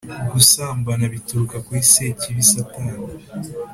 Gusambana bituruka kuri sekibi satani